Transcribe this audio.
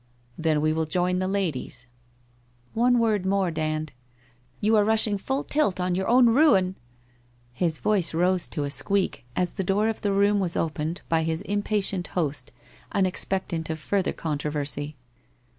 Then we will join the ladies/ * One word more, Dand. You are rushing full tilt on your own ruin !' His voice rose to a squeak as the door of the room was opened by his impatient host, unexpectant of further con troversy.